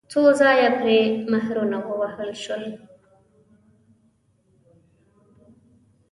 څو ځایه پرې مهرونه ووهل شول.